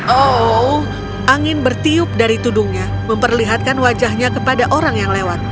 oh angin bertiup dari tudungnya memperlihatkan wajahnya kepada orang yang lewat